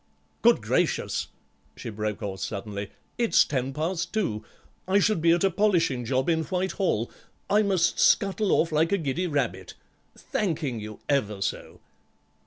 Good gracious," she broke off suddenly, "it's ten past two; I should be at a polishing job in Whitehall. I must scuttle off like a giddy rabbit. Thanking you ever so."